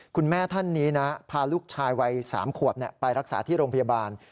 คุณแม่ท่านนี้นะพาลูกชายวัย๓ขวบไปรักษาที่โรงพยาบาล